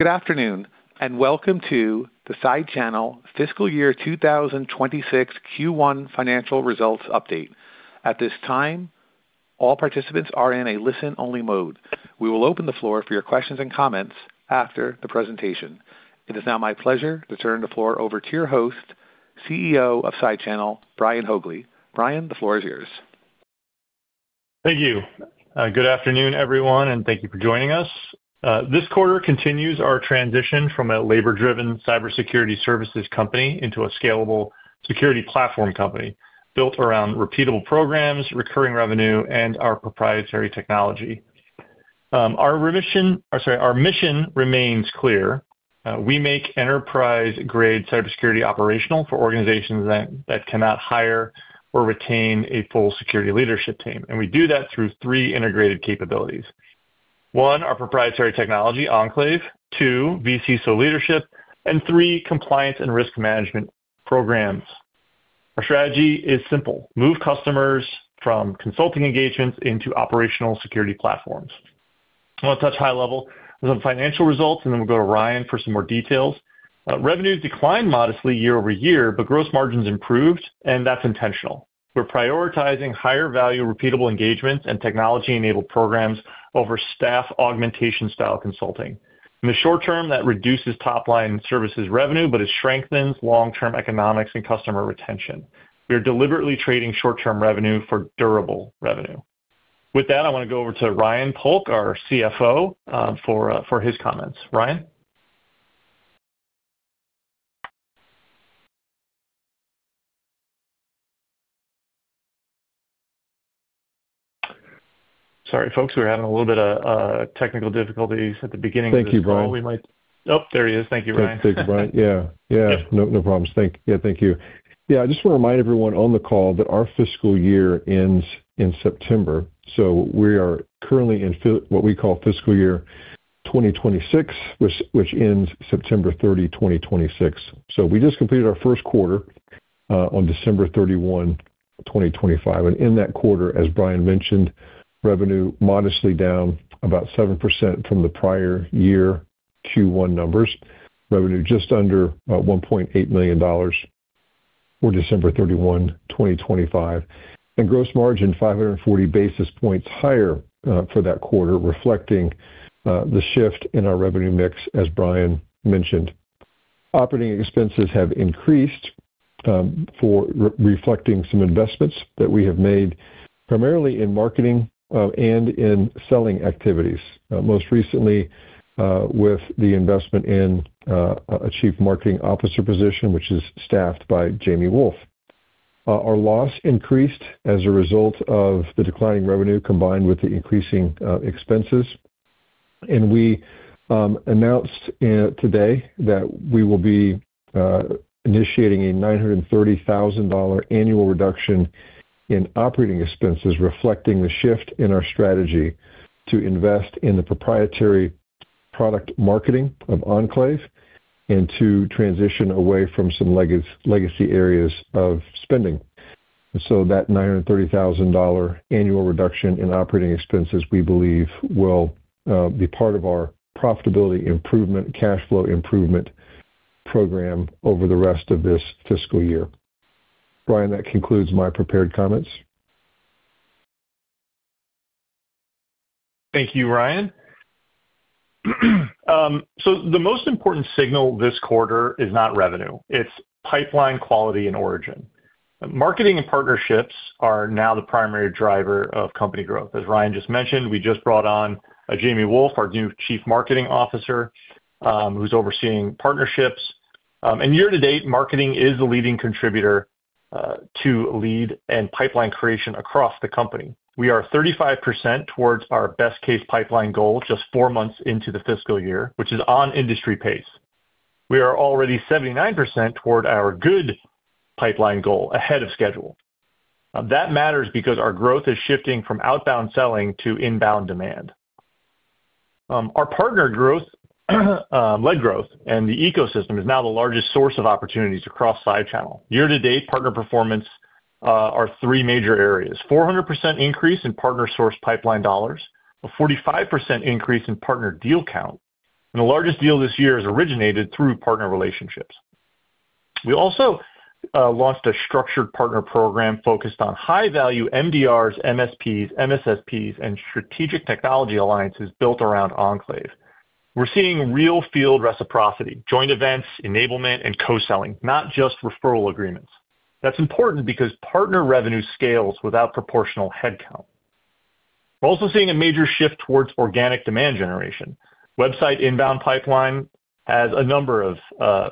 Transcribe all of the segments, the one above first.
Good afternoon, and welcome to the SideChannel fiscal year 2026 Q1 financial results update. At this time, all participants are in a listen-only mode. We will open the floor for your questions and comments after the presentation. It is now my pleasure to turn the floor over to your host, CEO of SideChannel, Brian Haugli. Brian, the floor is yours. Thank you. Good afternoon, everyone, and thank you for joining us. This quarter continues our transition from a labor-driven cybersecurity services company into a scalable security platform company built around repeatable programs, recurring revenue, and our proprietary technology. Our mission remains clear. We make enterprise-grade cybersecurity operational for organizations that cannot hire or retain a full security leadership team, and we do that through three integrated capabilities. One, our proprietary technology, Enclave. Two, vCISO leadership, and three, compliance and risk management programs. Our strategy is simple: move customers from consulting engagements into operational security platforms. I want to touch high level on financial results, and then we'll go to Ryan for some more details. Revenues declined modestly year-over-year, but gross margins improved, and that's intentional. We're prioritizing higher value, repeatable engagements and technology-enabled programs over staff augmentation-style consulting. In the short term, that reduces top-line services revenue, but it strengthens long-term economics and customer retention. We are deliberately trading short-term revenue for durable revenue. With that, I want to go over to Ryan Polk, our CFO, for his comments. Ryan? Sorry, folks, we're having a little bit of technical difficulties at the beginning of this call. Thank you, Brian. Oh, there he is. Thank you, Ryan. Thanks, Brian. Yeah. Yeah. No, no problems. Thank you. Yeah, thank you. Yeah, I just want to remind everyone on the call that our fiscal year ends in September, so we are currently in what we call fiscal year 2026, which ends September 30, 2026. So we just completed our first quarter on December 31, 2025, and in that quarter, as Brian mentioned, revenue modestly down about 7% from the prior year Q1 numbers. Revenue just under $1.8 million for December 31, 2025, and gross margin 540 basis points higher for that quarter, reflecting the shift in our revenue mix, as Brian mentioned. Operating expenses have increased for reflecting some investments that we have made, primarily in marketing and in selling activities. Most recently, with the investment in a Chief Marketing Officer position, which is staffed by Jamie Wolf. Our loss increased as a result of the declining revenue combined with the increasing expenses. We announced today that we will be initiating a $930,000 annual reduction in operating expenses, reflecting the shift in our strategy to invest in the proprietary product marketing of Enclave and to transition away from some legacy areas of spending. So that $930,000 annual reduction in operating expenses, we believe, will be part of our profitability improvement, cash flow improvement program over the rest of this fiscal year. Brian, that concludes my prepared comments. Thank you, Ryan. So the most important signal this quarter is not revenue, it's pipeline quality and origin. Marketing and partnerships are now the primary driver of company growth. As Ryan just mentioned, we just brought on Jamie Wolf, our new Chief Marketing Officer, who's overseeing partnerships. And year to date, marketing is the leading contributor to lead and pipeline creation across the company. We are 35% towards our best-case pipeline goal just four months into the fiscal year, which is on industry pace. We are already 79% toward our good pipeline goal ahead of schedule. That matters because our growth is shifting from outbound selling to inbound demand. Our partner growth, lead growth and the ecosystem is now the largest source of opportunities across SideChannel. Year-to-date, partner performance are three major areas. 400% increase in partner source pipeline dollars, a 45% increase in partner deal count, and the largest deal this year is originated through partner relationships. We also launched a structured partner program focused on high-value MDRs, MSPs, MSSPs, and strategic technology alliances built around Enclave. We're seeing real field reciprocity, joint events, enablement, and co-selling, not just referral agreements. That's important because partner revenue scales without proportional headcount. We're also seeing a major shift towards organic demand generation. Website inbound pipeline has a number of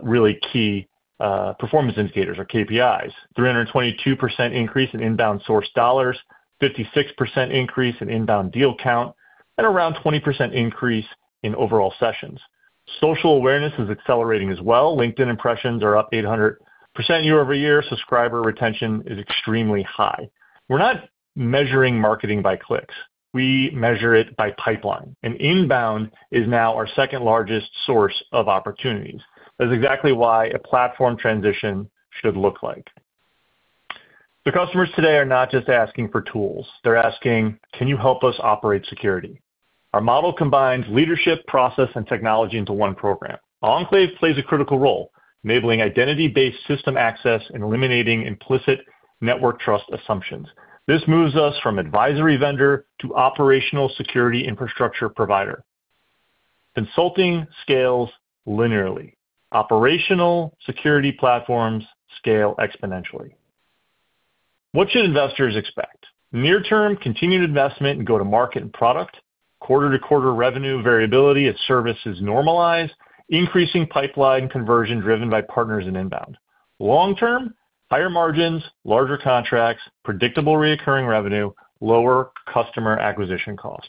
really key performance indicators or KPIs. 322% increase in inbound source dollars, 56% increase in inbound deal count, and around 20% increase in overall sessions. Social awareness is accelerating as well. LinkedIn impressions are up 800% year-over-year. Subscriber retention is extremely high. We're not measuring marketing by clicks. We measure it by pipeline, and inbound is now our second largest source of opportunities. That's exactly why a platform transition should look like.... The customers today are not just asking for tools. They're asking: Can you help us operate security? Our model combines leadership, process, and technology into one program. Enclave plays a critical role, enabling identity-based system access and eliminating implicit network trust assumptions. This moves us from advisory vendor to operational security infrastructure provider. Consulting scales linearly. Operational security platforms scale exponentially. What should investors expect? Near-term, continued investment and go-to-market and product, quarter-to-quarter revenue variability as services normalize, increasing pipeline conversion driven by partners and inbound. Long-term, higher margins, larger contracts, predictable recurring revenue, lower customer acquisition cost.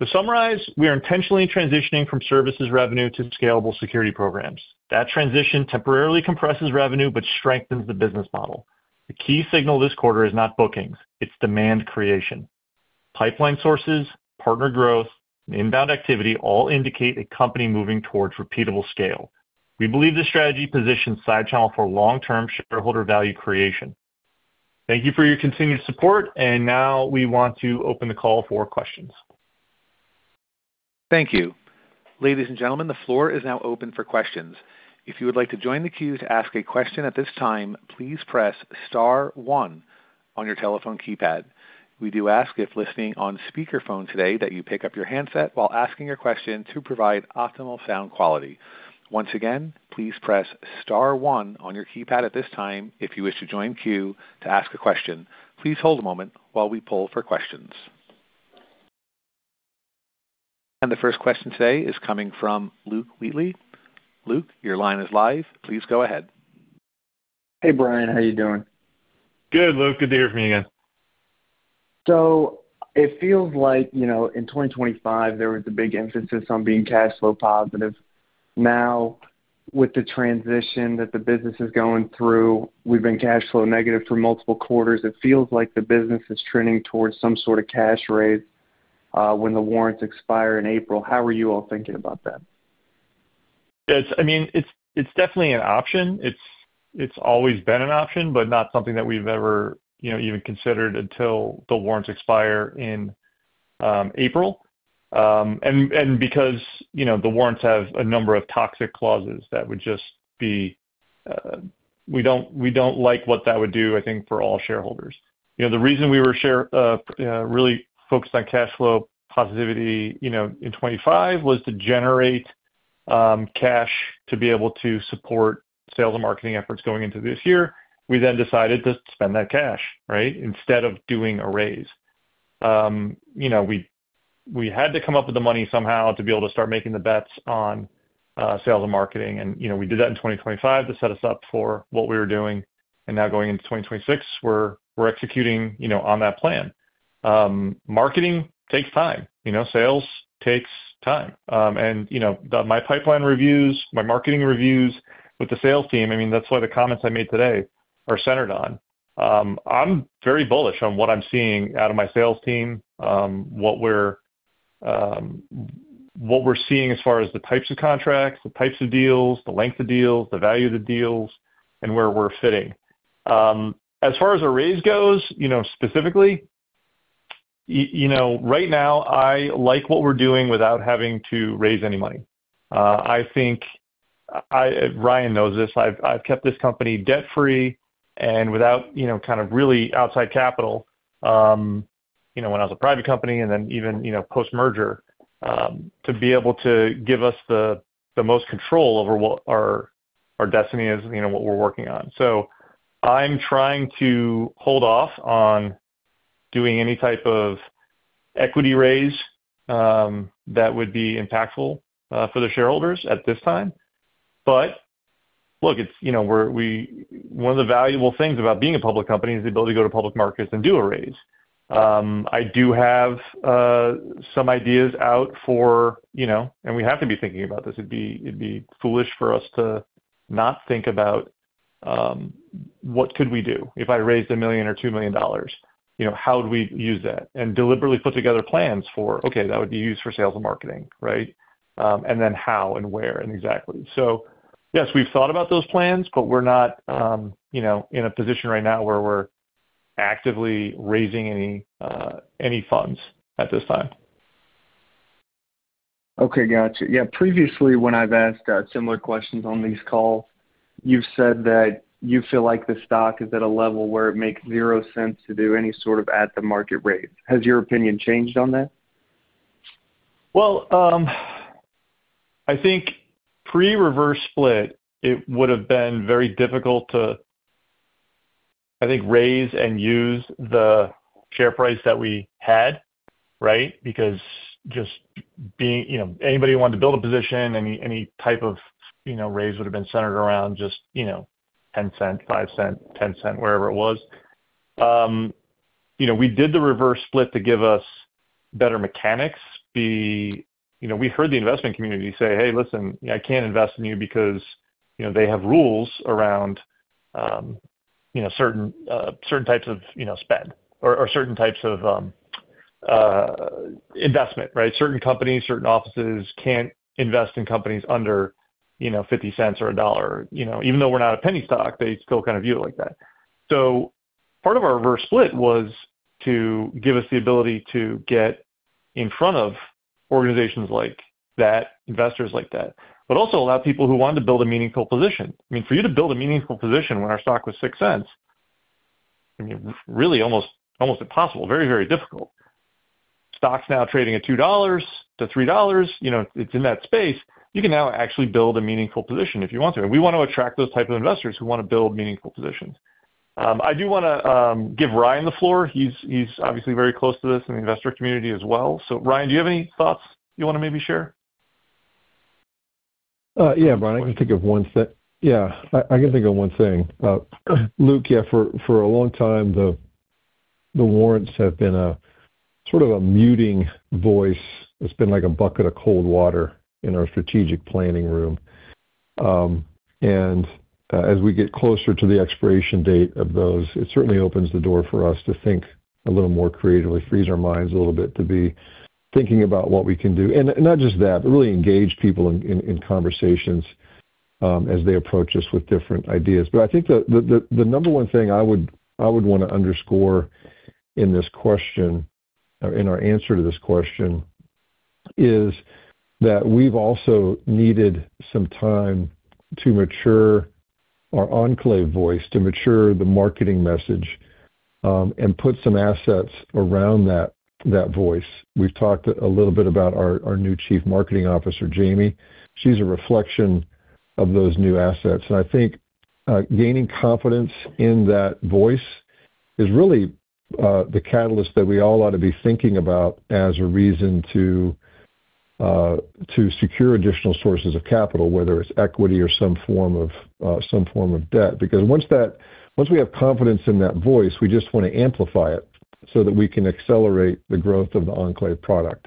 To summarize, we are intentionally transitioning from services revenue to scalable security programs. That transition temporarily compresses revenue but strengthens the business model. The key signal this quarter is not bookings, it's demand creation. Pipeline sources, partner growth, and inbound activity all indicate a company moving towards repeatable scale. We believe this strategy positions SideChannel for long-term shareholder value creation. Thank you for your continued support, and now we want to open the call for questions. Thank you. Ladies and gentlemen, the floor is now open for questions. If you would like to join the queue to ask a question at this time, please press star one on your telephone keypad. We do ask, if listening on speakerphone today, that you pick up your handset while asking your question to provide optimal sound quality. Once again, please press star one on your keypad at this time if you wish to join queue to ask a question. Please hold a moment while we poll for questions. The first question today is coming from Luke Wheatley. Luke, your line is live. Please go ahead. Hey, Brian, how are you doing? Good, Luke. Good to hear from you again. So it feels like, you know, in 2025, there was a big emphasis on being cash flow positive. Now, with the transition that the business is going through, we've been cash flow negative for multiple quarters. It feels like the business is trending towards some sort of cash raise, when the warrants expire in April. How are you all thinking about that? It's, I mean, it's definitely an option. It's, it's always been an option, but not something that we've ever, you know, even considered until the warrants expire in April. And because, you know, the warrants have a number of toxic clauses that would just be... We don't, we don't like what that would do, I think, for all shareholders. You know, the reason we were really focused on cash flow positivity, you know, in 2025 was to generate cash to be able to support sales and marketing efforts going into this year. We then decided to spend that cash, right, instead of doing a raise. You know, we, we had to come up with the money somehow to be able to start making the bets on sales and marketing, and, you know, we did that in 2025 to set us up for what we were doing. And now going into 2026, we're, we're executing, you know, on that plan. Marketing takes time, you know, sales takes time. And, you know, the, my pipeline reviews, my marketing reviews with the sales team, I mean, that's why the comments I made today are centered on. I'm very bullish on what I'm seeing out of my sales team, what we're, what we're seeing as far as the types of contracts, the types of deals, the length of deals, the value of the deals, and where we're fitting. As far as a raise goes, you know, specifically, you know, right now, I like what we're doing without having to raise any money. I think Ryan knows this. I've kept this company debt-free and without, you know, kind of really outside capital, you know, when I was a private company and then even, you know, post-merger, to be able to give us the most control over what our destiny is, you know, what we're working on. So I'm trying to hold off on doing any type of equity raise that would be impactful for the shareholders at this time. But look, it's... You know, we're one of the valuable things about being a public company is the ability to go to public markets and do a raise. I do have some ideas out for, you know, and we have to be thinking about this. It'd be, it'd be foolish for us to not think about what could we do if I raised $1 million or $2 million? You know, how would we use that? And deliberately put together plans for, okay, that would be used for sales and marketing, right? And then how and where and exactly. So yes, we've thought about those plans, but we're not, you know, in a position right now where we're actively raising any any funds at this time. Okay, got you. Yeah, previously, when I've asked similar questions on these calls, you've said that you feel like the stock is at a level where it makes zero sense to do any sort of at-the-market rate. Has your opinion changed on that? Well, I think pre-reverse split, it would have been very difficult to, I think, raise and use the share price that we had, right? Because just being—you know, anybody who wanted to build a position, any, any type of, you know, raise would have been centered around just, you know, $0.10, $0.05, $0.10, wherever it was. You know, we did the reverse split to give us better mechanics. You know, we heard the investment community say, "Hey, listen, I can't invest in you," because, you know, they have rules around, you know, certain, certain types of, you know, spend or, or certain types of, investment, right? Certain companies, certain offices can't invest in companies under, you know, $0.50 or $1. You know, even though we're not a penny stock, they still kind of view it like that. So part of our reverse split was to give us the ability to get in front of organizations like that, investors like that, but also allow people who want to build a meaningful position. I mean, for you to build a meaningful position when our stock was $0.06, I mean, really almost impossible. Very, very difficult. Stock's now trading at $2-$3, you know, it's in that space. You can now actually build a meaningful position if you want to, and we want to attract those type of investors who want to build meaningful positions. I do wanna give Ryan the floor. He's obviously very close to this in the investor community as well. So, Ryan, do you have any thoughts you wanna maybe share? Yeah, Brian, I can think of one thing. Yeah, I can think of one thing. Luke, for a long time, the warrants have been a sort of a muting voice. It's been like a bucket of cold water in our strategic planning room. As we get closer to the expiration date of those, it certainly opens the door for us to think a little more creatively, freeze our minds a little bit, to be thinking about what we can do. And not just that, but really engage people in conversations, as they approach us with different ideas. But I think the number one thing I would wanna underscore in this question, or in our answer to this question, is that we've also needed some time to mature our Enclave voice, to mature the marketing message, and put some assets around that voice. We've talked a little bit about our new Chief Marketing Officer, Jamie. She's a reflection of those new assets. And I think gaining confidence in that voice is really the catalyst that we all ought to be thinking about as a reason to secure additional sources of capital, whether it's equity or some form of some form of debt. Because once we have confidence in that voice, we just wanna amplify it so that we can accelerate the growth of the Enclave product.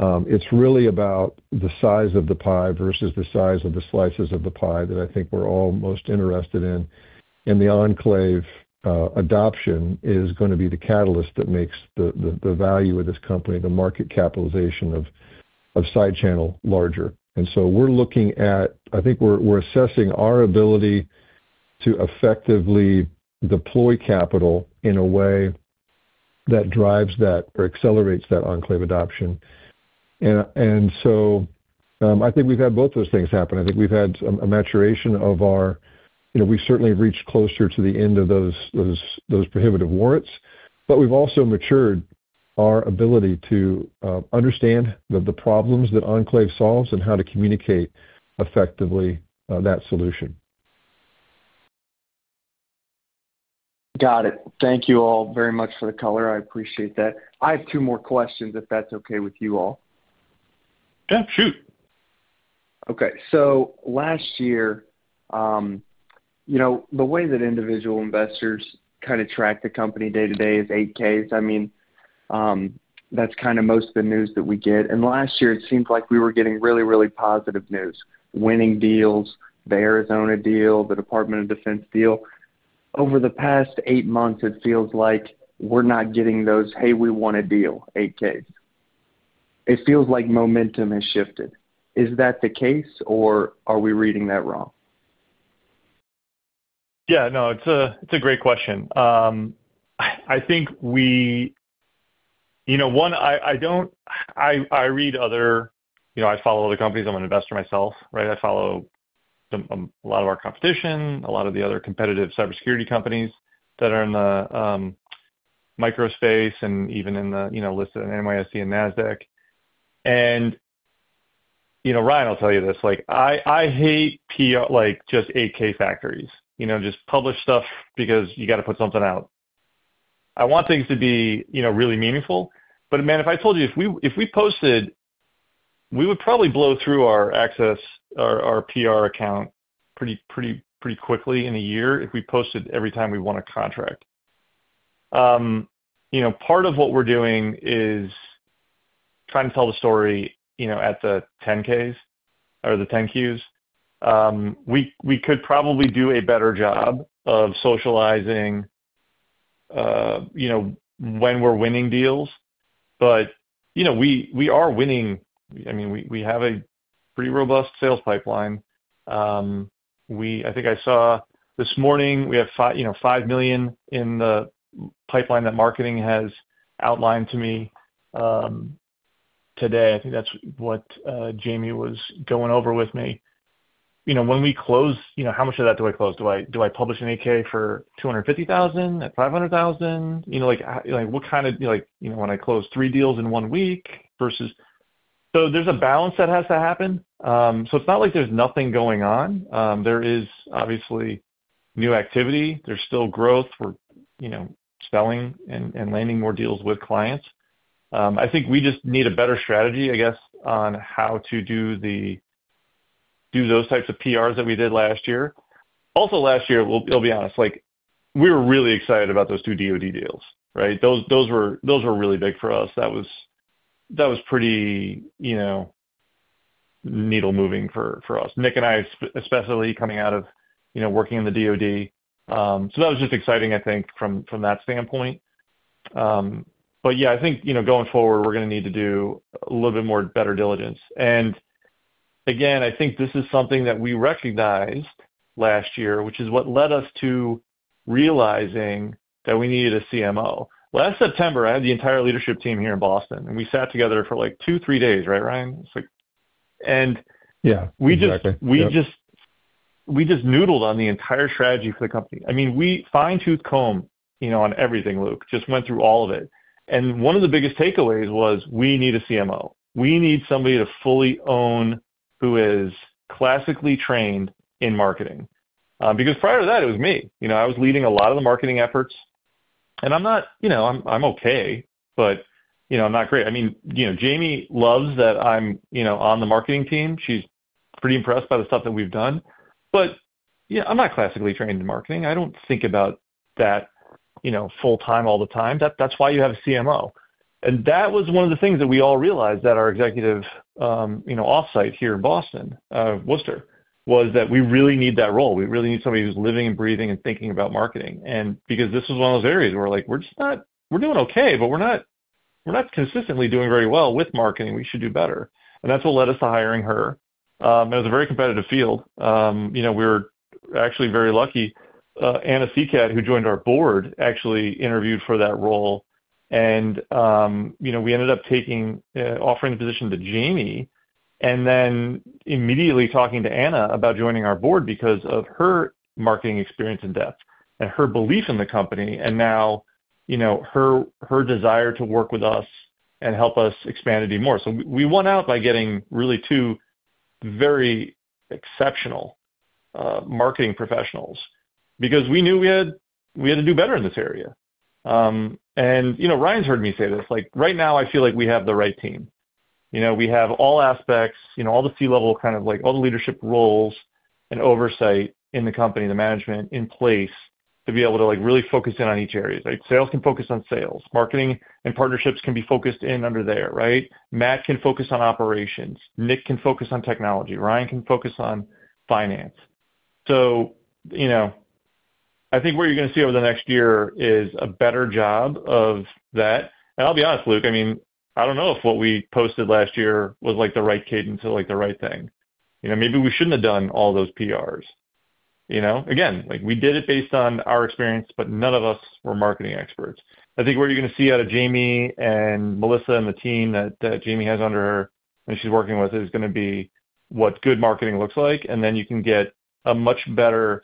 It's really about the size of the pie versus the size of the slices of the pie that I think we're all most interested in. The Enclave adoption is gonna be the catalyst that makes the value of this company, the market capitalization of SideChannel larger. So we're looking at... I think we're assessing our ability to effectively deploy capital in a way that drives that or accelerates that Enclave adoption. So I think we've had both those things happen. I think we've had a maturation of our... You know, we've certainly reached closer to the end of those prohibitive warrants, but we've also matured our ability to understand the problems that Enclave solves and how to communicate effectively that solution. Got it. Thank you all very much for the color. I appreciate that. I have two more questions, if that's okay with you all. Yeah, shoot. Okay. So last year, you know, the way that individual investors kind of track the company day to day is 8-Ks. I mean, that's kind of most of the news that we get. And last year it seemed like we were getting really, really positive news, winning deals, the Arizona deal, the Department of Defense deal. Over the past eight months, it feels like we're not getting those, "Hey, we won a deal," 8-Ks. It feels like momentum has shifted. Is that the case, or are we reading that wrong? Yeah, no, it's a great question. I think we... You know, one, I don't read other, you know, I follow other companies. I'm an investor myself, right? I follow a lot of our competition, a lot of the other competitive cybersecurity companies that are in the micro space and even in the, you know, listed in NYSE and Nasdaq. And, you know, Ryan will tell you this, like, I hate PR, like, just 8-K factories. You know, just publish stuff because you got to put something out. I want things to be, you know, really meaningful. But man, if I told you, if we posted, we would probably blow through our access, our PR account pretty, pretty, pretty quickly in a year, if we posted every time we won a contract. You know, part of what we're doing is trying to tell the story, you know, at the 10-Ks or the 10-Qs. We could probably do a better job of socializing, you know, when we're winning deals. But, you know, we are winning. I mean, we have a pretty robust sales pipeline. I think I saw this morning, we have five, you know, five million in the pipeline that marketing has outlined to me, today. I think that's what Jamie was going over with me. You know, when we close, you know, how much of that do I close? Do I publish an 8-K for $250,000, at $500,000? You know, like, like what kind of... Like, you know, when I close three deals in one week versus... So there's a balance that has to happen. So it's not like there's nothing going on. There is obviously new activity. There's still growth. We're, you know, selling and landing more deals with clients. I think we just need a better strategy, I guess, on how to do those types of PRs that we did last year. Also last year, I'll be honest, like, we were really excited about those two DoD deals, right? Those were really big for us. That was pretty, you know, needle moving for us. Nick and I, especially coming out of, you know, working in the DoD. So that was just exciting, I think, from that standpoint. But yeah, I think, you know, going forward, we're gonna need to do a little bit more better diligence. And again, I think this is something that we recognized last year, which is what led us to realizing that we needed a CMO. Last September, I had the entire leadership team here in Boston, and we sat together for, like, two, three days, right, Ryan? It's like... And- Yeah, exactly. We just noodled on the entire strategy for the company. I mean, we fine-tooth comb, you know, on everything, Luke. Just went through all of it. And one of the biggest takeaways was, we need a CMO. We need somebody to fully own, who is classically trained in marketing. Because prior to that, it was me. You know, I was leading a lot of the marketing efforts, and I'm not-- you know, I'm, I'm okay, but, you know, I'm not great. I mean, you know, Jamie loves that I'm, you know, on the marketing team. She's pretty impressed by the stuff that we've done, but, yeah, I'm not classically trained in marketing. I don't think about that, you know, full time, all the time. That's why you have a CMO. And that was one of the things that we all realized at our executive, you know, off-site here in Boston, Worcester, was that we really need that role. We really need somebody who's living and breathing and thinking about marketing. And because this was one of those areas where we're like: We're just not doing okay, but we're not, we're not consistently doing very well with marketing. We should do better. And that's what led us to hiring her. And it was a very competitive field. You know, we were actually very lucky. Anna Seacat, who joined our board, actually interviewed for that role, and, you know, we ended up taking, offering the position to Jamie, and then immediately talking to Anna about joining our board because of her marketing experience and depth and her belief in the company, and now, you know, her, her desire to work with us and help us expand it even more. So we, we won out by getting really two very exceptional, marketing professionals because we knew we had, we had to do better in this area. You know, Ryan's heard me say this, like, right now, I feel like we have the right team. You know, we have all aspects, you know, all the C-level, kind of like all the leadership roles and oversight in the company, the management in place, to be able to, like, really focus in on each area. Like, sales can focus on sales, marketing and partnerships can be focused in under there, right? Matt can focus on operations, Nick can focus on technology, Ryan can focus on finance. So, you know, I think what you're gonna see over the next year is a better job of that. And I'll be honest, Luke, I mean, I don't know if what we posted last year was, like, the right cadence or, like, the right thing. You know, maybe we shouldn't have done all those PRs, you know? Again, like, we did it based on our experience, but none of us were marketing experts. I think what you're gonna see out of Jamie and Melizza and the team that, that Jamie has under her and she's working with, is gonna be what good marketing looks like, and then you can get a much better,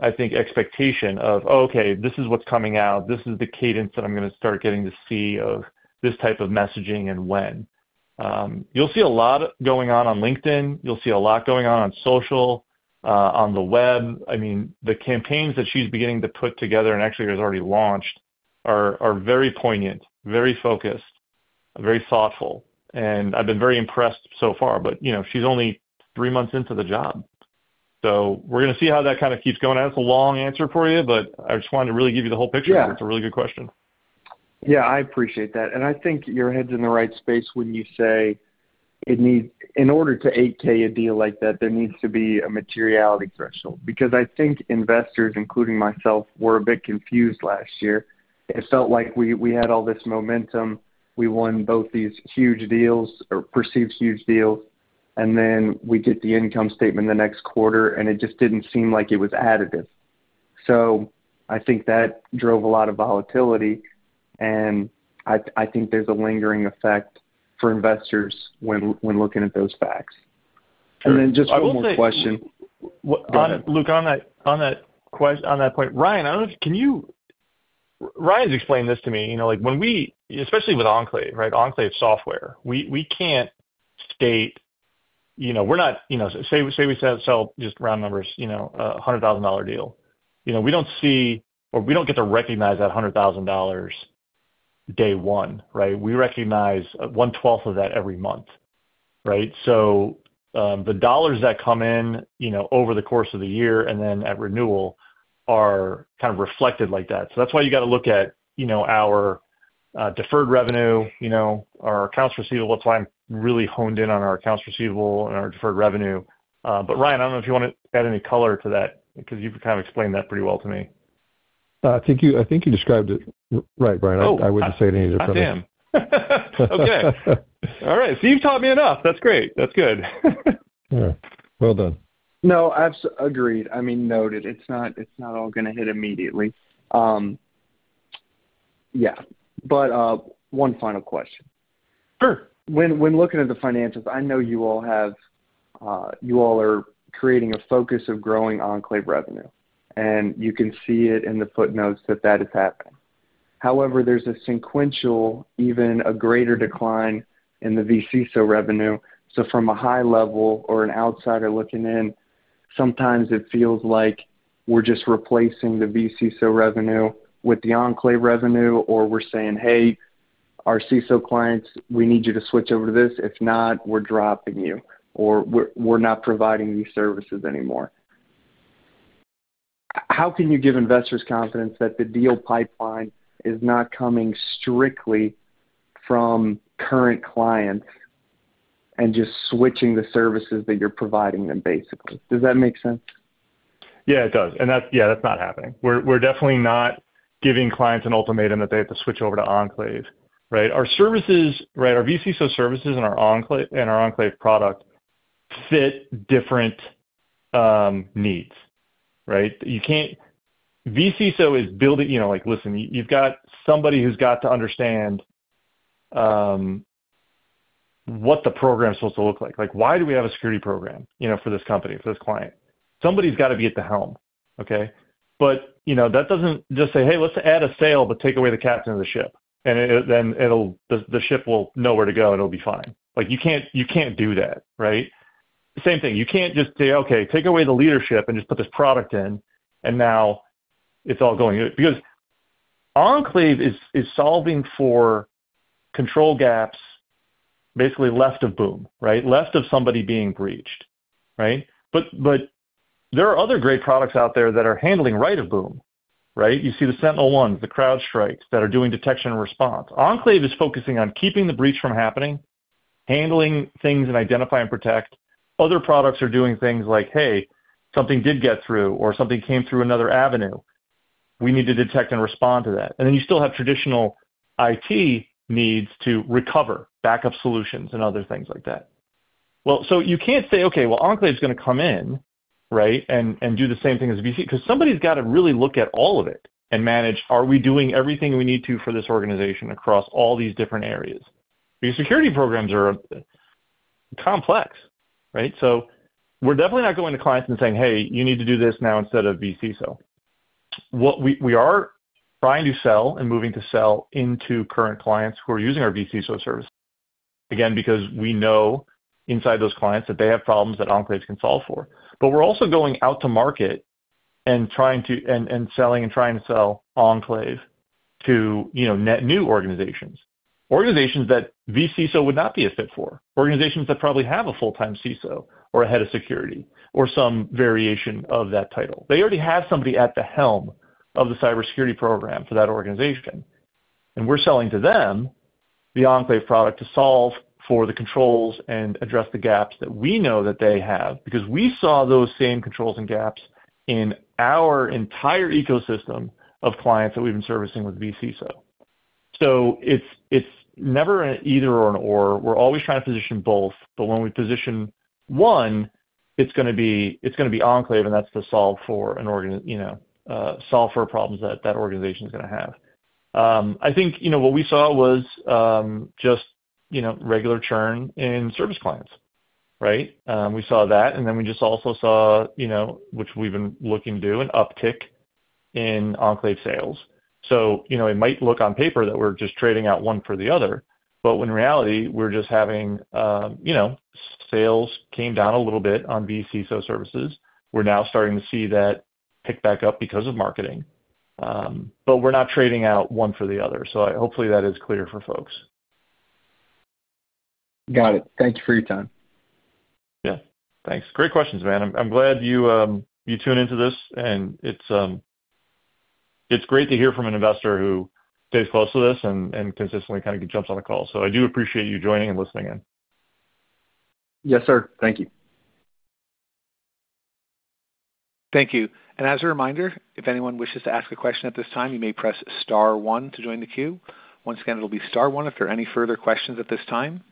I think, expectation of, "Oh, okay, this is what's coming out. This is the cadence that I'm gonna start getting to see of this type of messaging and when." You'll see a lot going on on LinkedIn. You'll see a lot going on on social, on the web. I mean, the campaigns that she's beginning to put together, and actually has already launched, are, are very poignant, very focused, very thoughtful, and I've been very impressed so far. But, you know, she's only three months into the job, so we're gonna see how that kind of keeps going. That's a long answer for you, but I just wanted to really give you the whole picture. Yeah. It's a really good question. Yeah, I appreciate that. And I think your head's in the right space when you say it needs, in order to 8-K a deal like that, there needs to be a materiality threshold, because I think investors, including myself, were a bit confused last year. It felt like we, we had all this momentum. We won both these huge deals or perceived huge deals, and then we get the income statement the next quarter, and it just didn't seem like it was additive. So I think that drove a lot of volatility, and I, I think there's a lingering effect for investors when, when looking at those facts. Sure. Then just one more question. I will say, Luke, on that point, Ryan, I don't know if... Ryan's explained this to me. You know, like, when we... Especially with Enclave, right? Enclave software, we can't state, you know, we're not... You know, say we sell, just round numbers, you know, a $100,000 deal. You know, we don't see or we don't get to recognize that $100,000 day one, right? We recognize 1/12 of that every month, right? So, the dollars that come in, you know, over the course of the year and then at renewal, are kind of reflected like that. So that's why you got to look at, you know, our deferred revenue, you know, our accounts receivable. That's why I'm really honed in on our accounts receivable and our deferred revenue. But, Ryan, I don't know if you want to add any color to that, because you've kind of explained that pretty well to me. I think you described it right, Ryan. Oh. I wouldn't say it any different. I damn. Okay. All right. You've taught me enough. That's great. That's good. All right. Well done. No, agreed. I mean, noted. It's not, it's not all gonna hit immediately. Yeah, but one final question. Sure. When looking at the financials, I know you all have, you all are creating a focus of growing Enclave revenue, and you can see it in the footnotes that that is happening. However, there's a sequential, even a greater decline in the vCISO revenue. So from a high level or an outsider looking in, sometimes it feels like we're just replacing the vCISO revenue with the Enclave revenue, or we're saying: "Hey, our CISO clients, we need you to switch over to this. If not, we're dropping you, or we're not providing these services anymore."... How can you give investors confidence that the deal pipeline is not coming strictly from current clients and just switching the services that you're providing them, basically? Does that make sense? Yeah, it does. That's, yeah, that's not happening. We're definitely not giving clients an ultimatum that they have to switch over to Enclave, right? Our services, right, our vCISO services and our Enclave, and our Enclave product fit different needs, right? You can't. vCISO is building, you know, like, listen, you've got somebody who's got to understand what the program is supposed to look like. Like, why do we have a security program, you know, for this company, for this client? Somebody's got to be at the helm, okay? But, you know, that doesn't just say, "Hey, let's add a sail, but take away the captain of the ship, and then it'll, the ship will know where to go, and it'll be fine." Like, you can't, you can't do that, right? Same thing. You can't just say, "Okay, take away the leadership and just put this product in, and now it's all going..." because Enclave is, is solving for control gaps, basically left of boom, right? Left of somebody being breached, right? But, but there are other great products out there that are handling right of boom, right? You see the SentinelOnes, the CrowdStrikes that are doing detection and response. Enclave is focusing on keeping the breach from happening, handling things, and identify and protect. Other products are doing things like, "Hey, something did get through, or something came through another avenue. We need to detect and respond to that." Then you still have traditional IT needs to recover, backup solutions and other things like that. Well, so you can't say, "Okay, well, Enclave is gonna come in, right, and do the same thing as vCISO." Because somebody's got to really look at all of it and manage, are we doing everything we need to for this organization across all these different areas? These security programs are complex, right? So we're definitely not going to clients and saying, "Hey, you need to do this now instead of vCISO." What we are trying to sell and moving to sell into current clients who are using our vCISO service, again, because we know inside those clients that they have problems that Enclave can solve for. But we're also going out to market and trying to sell Enclave to, you know, net new organizations. Organizations that vCISO would not be a fit for, organizations that probably have a full-time CISO or a head of security or some variation of that title. They already have somebody at the helm of the cybersecurity program for that organization, and we're selling to them the Enclave product to solve for the controls and address the gaps that we know that they have, because we saw those same controls and gaps in our entire ecosystem of clients that we've been servicing with vCISO. So it's never an either or an or. We're always trying to position both, but when we position one, it's gonna be Enclave, and that's to solve for problems that that organization is gonna have. I think, you know, what we saw was just regular churn in service clients, right? We saw that, and then we just also saw, you know, which we've been looking to do, an uptick in Enclave sales. So, you know, it might look on paper that we're just trading out one for the other, but when in reality, we're just having, you know, sales came down a little bit on vCISO services. We're now starting to see that pick back up because of marketing. But we're not trading out one for the other. So hopefully, that is clear for folks. Got it. Thanks for your time. Yeah. Thanks. Great questions, man. I'm glad you tuned into this, and it's great to hear from an investor who stays close to this and consistently kinda jumps on the call. So I do appreciate you joining and listening in. Yes, sir. Thank you. Thank you. And as a reminder, if anyone wishes to ask a question at this time, you may press star one to join the queue. Once again, it'll be star one if there are any further questions at this time.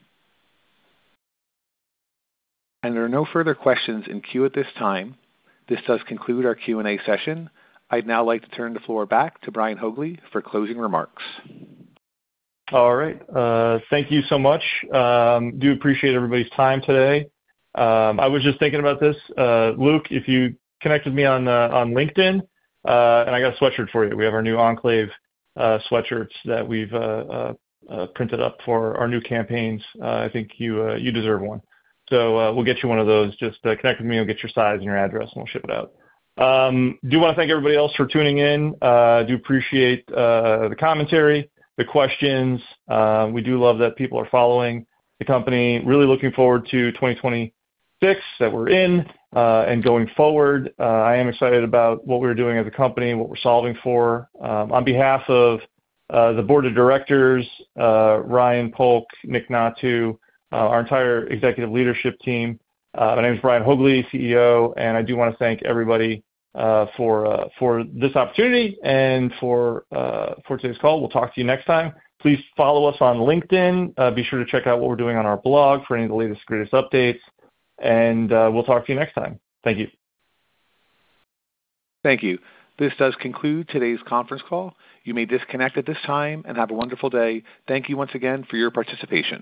And there are no further questions in queue at this time. This does conclude our Q&A session. I'd now like to turn the floor back to Brian Haugli for closing remarks. All right, thank you so much. I do appreciate everybody's time today. I was just thinking about this, Luke, if you connect with me on, on LinkedIn, and I got a sweatshirt for you. We have our new Enclave sweatshirts that we've printed up for our new campaigns. I think you deserve one. So, we'll get you one of those. Just connect with me and get your size and your address, and we'll ship it out. I do wanna thank everybody else for tuning in. I do appreciate the commentary, the questions. We do love that people are following the company. Really looking forward to 2026, that we're in, and going forward. I am excited about what we're doing as a company, what we're solving for. On behalf of the Board of Directors, Ryan Polk, Nick Hnatiw, our entire executive leadership team, my name is Brian Haugli, CEO, and I do wanna thank everybody for this opportunity and for today's call. We'll talk to you next time. Please follow us on LinkedIn. Be sure to check out what we're doing on our blog for any of the latest and greatest updates, and we'll talk to you next time. Thank you. Thank you. This does conclude today's conference call. You may disconnect at this time and have a wonderful day. Thank you once again for your participation.